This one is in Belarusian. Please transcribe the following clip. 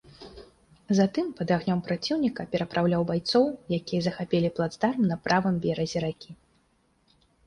Затым пад агнём праціўніка перапраўляў байцоў, якія захапілі плацдарм на правым беразе ракі.